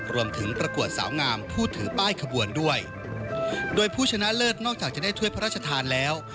ประกวดสาวงามผู้ถือป้ายขบวนด้วยโดยผู้ชนะเลิศนอกจากจะได้ถ้วยพระราชทานแล้ว